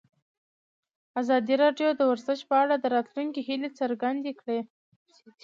ازادي راډیو د ورزش په اړه د راتلونکي هیلې څرګندې کړې.